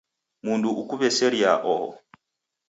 Mundu ukuw'eseria oho